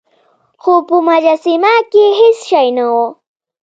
خو په مجسمه کې هیڅ شی نه و.